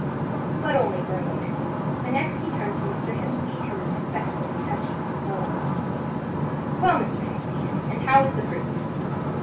But only for a moment; the next he had turned to Mr. Hempseed, who was respectfully touching his forelock. "Well, Mr. Hempseed, and how is the fruit?"